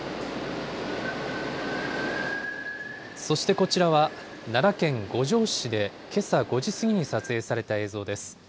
そしてこちらは、奈良県五條市でけさ５時過ぎに撮影された映像です。